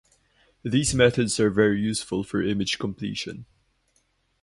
These methods are very useful for image completion.